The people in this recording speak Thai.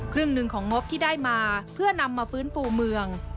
หนึ่งของงบที่ได้มาเพื่อนำมาฟื้นฟูเมือง